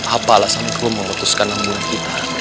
apa alasan tuah memutuskan nanggung kita